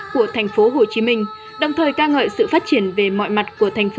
của thành phố hồ chí minh đồng thời ca ngợi sự phát triển về mọi mặt của thành phố